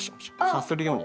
さするように。